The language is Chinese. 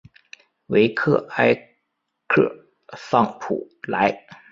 维克埃克桑普莱。